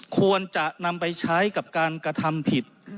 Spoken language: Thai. ควรจะนำไปใช้กับการกระทำผิด